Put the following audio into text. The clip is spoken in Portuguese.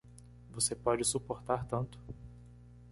Você pode suportar tanto.